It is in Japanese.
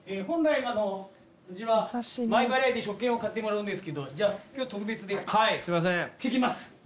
本来うちは前払いで食券を買ってもらうんですけどじゃあ今日は特別で聞きます。